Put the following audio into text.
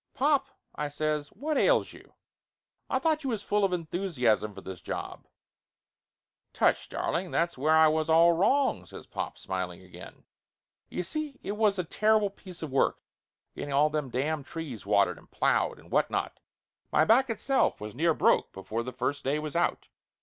"Pop," I says, "what ails you? I thought you was full of enthusiasm for this job?" "Tush, darling, that's where I was all wrong !" says pop, smiling again. "Ye see it was a terrible piece of work, getting all them damn trees watered, and plowed, and what not ! My back itself was near broke before the first day was out.